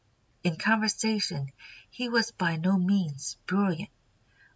In conversation he was by no means brilliant.